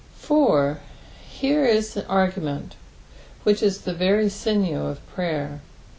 "Ar." — Here ia argument, which ia the very sinew of prayer.